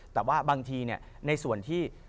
แต่ว่าบางทีในส่วนที่